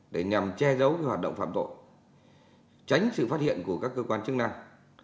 để nhằm che giấu hoạt động phạm tội tránh sự phát hiện của các cơ quan chức năng